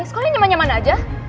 sekolahnya nyaman nyaman aja